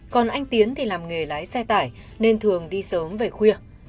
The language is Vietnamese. còn anh tiến thì làm nghề lái xe tải nên thường đi sớm về khuya